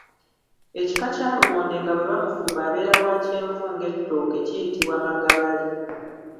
Ekika kya lumonde nga bwe bamufumba abeera wa kyenvu ng’ettooke kiyitibwa magabali.